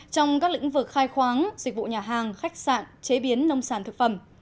trong các lĩnh vực khai khoáng dịch vụ nhà hàng khách sạn chế biến nông sản thực phẩm